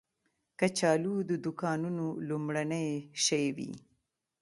کچالو د دوکانونو لومړنی شی وي